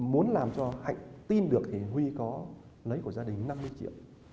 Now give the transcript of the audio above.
muốn làm cho hạnh tin được thì huy có lấy của gia đình năm mươi triệu